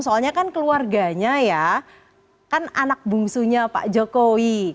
soalnya kan keluarganya ya kan anak bungsunya pak jokowi